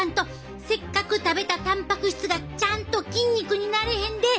せっかく食べたたんぱく質がちゃんと筋肉になれへんで！